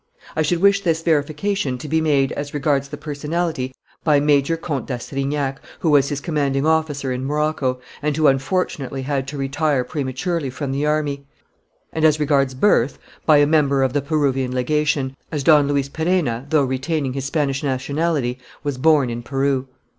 I should wish this verification to be made as regards the personality by Major Comte d'Astrignac, who was his commanding officer in Morocco, and who unfortunately had to retire prematurely from the army; and as regards birth by a member of the Peruvian Legation, as Don Luis Perenna, though retaining his Spanish nationality, was born in Peru.